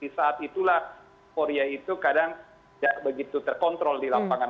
di saat itulah euforia itu kadang tidak begitu terkontrol di lapangan